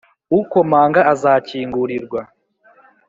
ukomanga azakingurirwa.